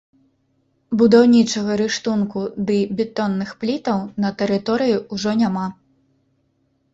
Будаўнічага рыштунку ды бетонных плітаў на тэрыторыі ўжо няма.